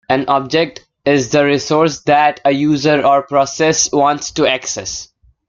An object is the resource that a user or process wants to access.